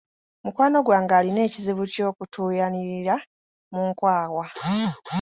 Mukwano gwange alina ekizibu ky'okutuuyanirira mu nkwawa.